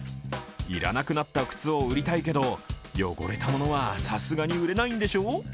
いらなくなった靴を売りたいけど汚れたものはさすがに売れないんでしょ？